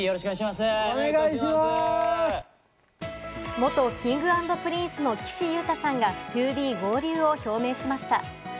元Ｋｉｎｇ＆Ｐｒｉｎｃｅの岸優太さんがＴＯＢＥ合流を表明しました。